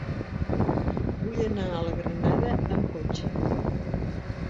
Vull anar a la Granada amb cotxe.